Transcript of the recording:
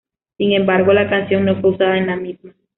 Sin embargo, la canción no fue usada en la misma.